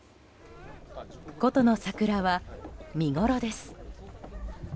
古都の桜は見ごろです。